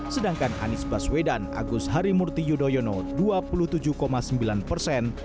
sedangkan anies baswedan agus harimurti yudhoyono dua puluh tujuh sembilan persen